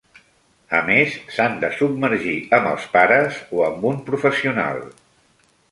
A més, s'han de submergir amb els pares o amb un professional.